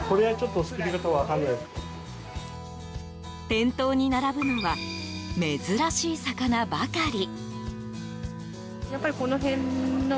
店頭に並ぶのは珍しい魚ばかり。